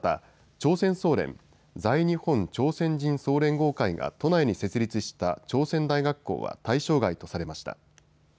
朝鮮総連・在日本朝鮮人総連合会が都内に設立した朝鮮大学校は対象外とされました。